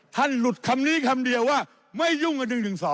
หลุดคำนี้คำเดียวว่าไม่ยุ่งกับ๑๑๒